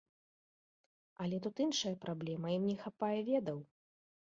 Але тут іншая праблема, ім не хапае ведаў.